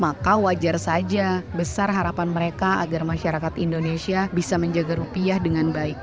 maka wajar saja besar harapan mereka agar masyarakat indonesia bisa menjaga rupiah dengan baik